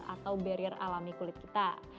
atau barrier alami kulit kita